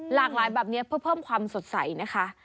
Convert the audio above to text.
หลากหลายแบบนี้เพื่อเพิ่มความสดใสนะคะ